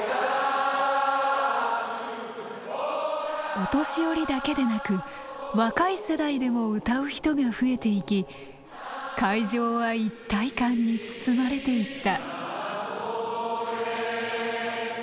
お年寄りだけでなく若い世代でも歌う人が増えていき会場は一体感に包まれていった。